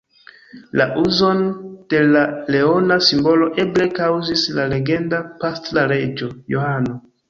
La uzon de la leona simbolo eble kaŭzis la legenda pastra reĝo Johano.